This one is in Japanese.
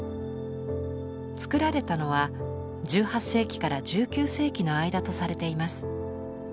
つくられたのは１８世紀から１９世紀の間とされています。